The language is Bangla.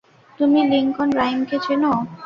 তুমি লিংকন রাইমকে চেনো?